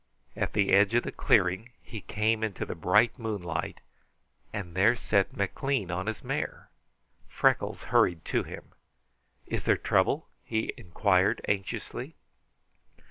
At the edge of the clearing he came into the bright moonlight and there sat McLean on his mare. Freckles hurried to him. "Is there trouble?" he inquired anxiously.